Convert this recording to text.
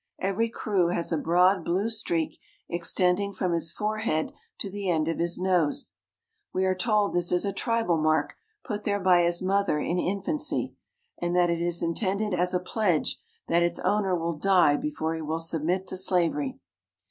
Every Kroo has a broad, blue streak extend from his forehead to the end of his nose. We are 204 f ^^M told this is a tribal mark put there by his mother in ^^H infancy, and that it is intended as a pledge that its ^^ owner will die before he will submit to slavery.